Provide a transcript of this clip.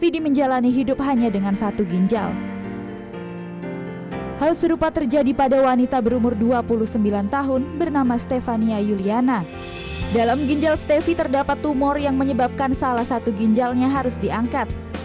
dalam ginjal stefi terdapat tumor yang menyebabkan salah satu ginjalnya harus diangkat